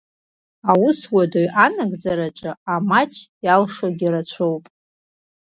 Аус уадаҩ анагӡараҿ амаҷ иалшогьы рацәоуп!